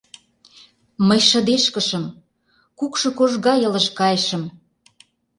Мый шыдешкышым, кукшо кож гай ылыж кайышым.